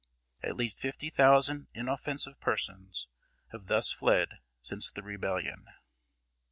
At least fifty thousand inoffensive persons have thus fled since the Rebellion."